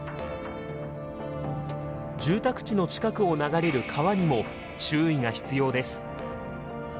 住宅地の近くを流れる川にも注意が必要です。